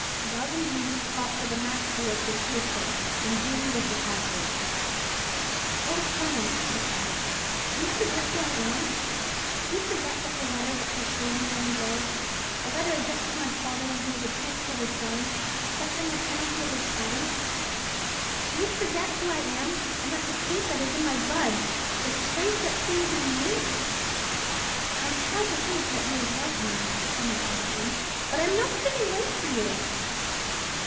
Love and Duty fought for the mastery of her pure Soul: and Duty was the conqueror. "Oh, Clement!" she said, "do you forget who I am? Do you forget that letter which I showed you long ago, a letter addressed to my father when he was a transported felon, suffering the penalty of his crime? Do you forget who I am, and the taint that is in my blood; the disgrace that stains my name? I am proud to think that you have loved me, Clement Austin; but I am no fitting wife for you!"